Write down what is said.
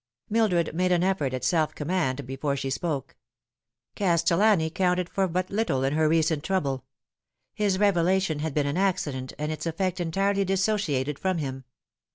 Mildred made an effort at self command before she spoke. Castellani counted for but little in her recent trouble. His revelation had been an accident, and its effect entirely dissociated from him.